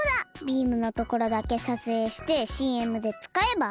ビームのところだけさつえいしてＣＭでつかえば？